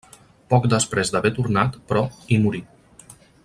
Poc després d'haver tornat, però, hi morí.